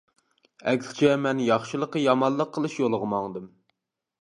ئەكسىچە مەن ياخشىلىققا يامانلىق قىلىش يولىغا ماڭدىم.